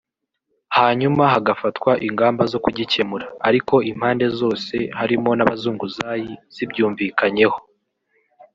hanyuma hagafatwa ingamba zo kugikemura ariko impande zose (harimo n’abazunguzayi) zibyumvikanyeho